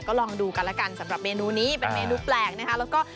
ก็ลองดูกันแล้วกันสำหรับเมนูนี้เป็นเมนูแปลกนะคะแล้วก็